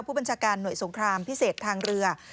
ผู้บัญชาการหน่วยสงครามพิเศษทางเรือ